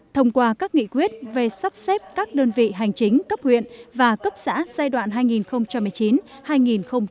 thông qua các nghị quyết về sắp xếp các đơn vị hành chính cấp huyện và cấp xã giai đoạn hai nghìn một mươi chín hai nghìn hai mươi một